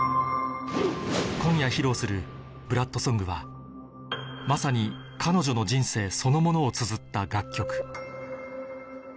今夜披露するまさに彼女の人生そのものをつづった楽曲